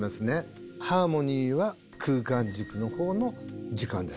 ハーモニーは空間軸のほうの時間です。